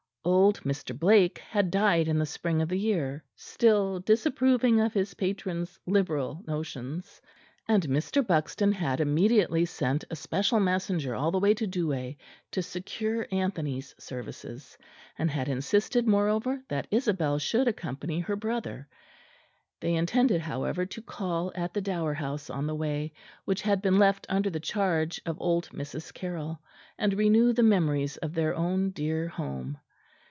Old Mr. Blake had died in the spring of the year, still disapproving of his patron's liberal notions, and Mr. Buxton had immediately sent a special messenger all the way to Douai to secure Anthony's services; and had insisted moreover that Isabel should accompany her brother. They intended however to call at the Dower House on the way, which had been left under the charge of old Mrs. Carroll; and renew the memories of their own dear home.